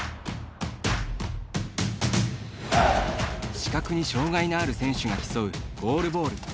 視覚に障がいのある選手が競うゴールボール。